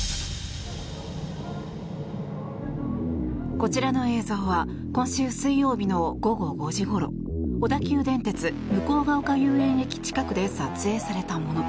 こちらの映像は今週水曜日の午後５時ごろ小田急電鉄向ヶ丘遊園駅近くで撮影されたもの。